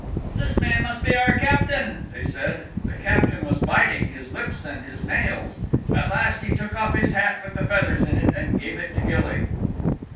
"This man must be our Captain," they said. The Captain was biting his lips and his nails. At last he took off his hat with the feathers in it and gave it to Gilly.